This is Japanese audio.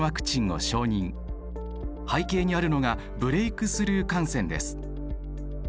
背景にあるのがブレイクスルー感染です。